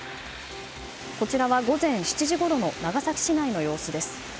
こちらは午前７時ごろの長崎市内の様子です。